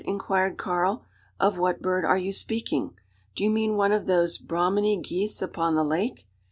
inquired Karl; "of what bird are you speaking? Do you mean one of those Brahminy geese upon the lake?